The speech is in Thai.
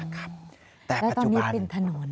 ค่ะแต่ปัจจุบันแล้วตอนนี้เป็นถนน